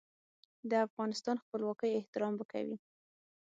د افغانستان خپلواکۍ احترام به کوي.